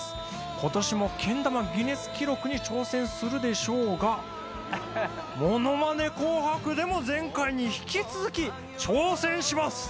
ことしもけん玉ギネス記録に挑戦するでしょうが『ものまね紅白』でも前回に引き続き挑戦します！